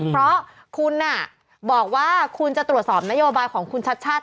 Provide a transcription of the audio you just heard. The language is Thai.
เพราะคุณบอกว่าคุณจะตรวจสอบนโยบายของคุณชัดชาติ